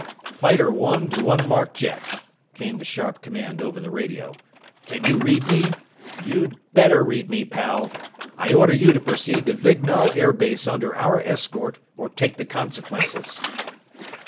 "Fighter One to unmarked jet!" came the sharp command over the radio. "Can you read me?... You'd better read me, pal! I order you to proceed to Vignall Air Base under our escort or take the consequences!"